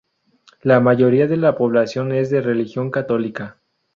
La mayoría de la población es de religión católica.